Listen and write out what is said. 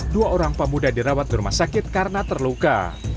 dua orang pemuda dirawat di rumah sakit karena terluka